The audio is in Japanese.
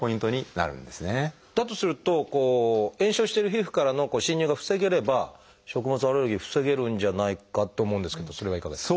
だとすると炎症してる皮膚からの侵入が防げれば食物アレルギー防げるんじゃないかと思うんですけどそれはいかがですか？